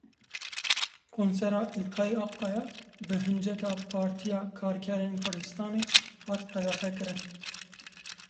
Konsera Îlkay Akkaya bi hinceta Partiya Karkerên Kurdistanê hat qedexekirin.